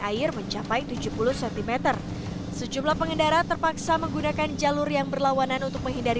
air mencapai tujuh puluh cm sejumlah pengendara terpaksa menggunakan jalur yang berlawanan untuk menghindari